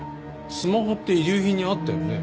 スマホって遺留品にあったよね？